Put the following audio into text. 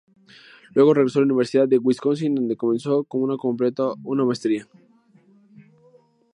Luego regresó a la Universidad de Wisconsin, donde comenzó pero no completó una maestría.